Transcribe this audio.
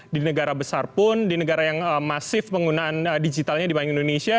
di negara besar pun di negara yang masif penggunaan digitalnya dibanding indonesia